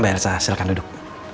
mbak elsa silahkan duduk